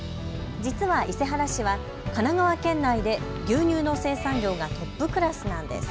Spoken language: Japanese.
実は伊勢原市は神奈川県内で牛乳の生産量がトップクラスなんです。